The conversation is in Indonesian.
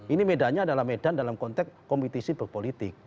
ini medannya adalah medan dalam konteks kompetisi berpolitik